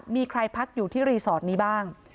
มีใครพักอยู่ที่รีสอร์ทนี้บ้าง